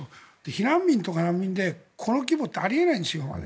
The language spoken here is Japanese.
避難民とか難民でこの規模って今までないんですよね。